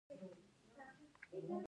هلته به ناسمه تغذیه او خرابه هوا وه.